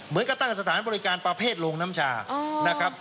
มันก็ตั้งสถานบริการประเภทโรงน้ำชานะครับ